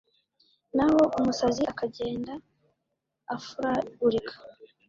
naho umusazi akagenda afuragurika